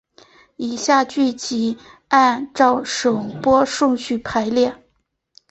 以下剧集按照首播顺序排列。